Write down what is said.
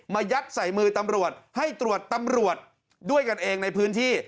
ยัดใส่มือตำรวจให้ตรวจตำรวจด้วยกันเองในพื้นที่